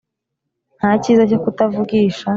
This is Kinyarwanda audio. Nta kiza cyo kuta vugisha